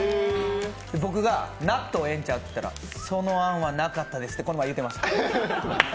僕が納豆ええんちゃう？と言ったら、そんな案はなかったですってこの前、言ってました。